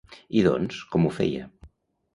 I doncs, com ho feia?